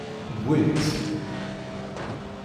Wwin-tt.